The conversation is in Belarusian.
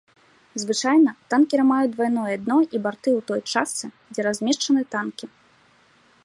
Звычайна танкеры маюць двайное дно і барты ў той частцы, дзе размешчаны танкі.